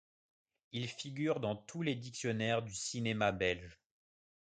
Il figure dans tous les dictionnaires du cinéma belge.